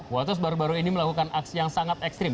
waters baru baru ini melakukan aksi yang sangat ekstrim